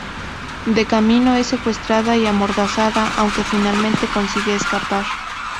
De camino, es secuestrada y amordazada, aunque finalmente consigue escapar.